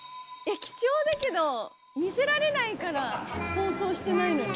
えっ貴重だけど見せられないから放送してないのに。